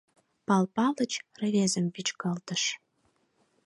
— Пал Палыч рвезым вӱчкалтыш.